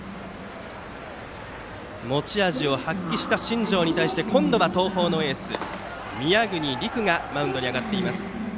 持ち味を発揮した新庄に対して今度は東邦のエース宮國凌空がマウンドに上がっています。